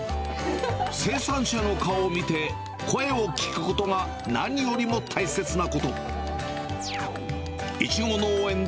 生産者の顔を見て、声を聞くことが何よりも大切なこと。